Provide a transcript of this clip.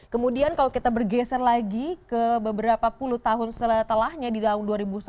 kemudian kalau kita bergeser lagi ke beberapa puluh tahun setelahnya di tahun dua ribu satu